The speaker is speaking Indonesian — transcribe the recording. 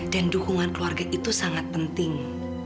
dan dukungan keluarga itu sangat penting